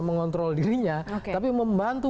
mengontrol dirinya tapi membantu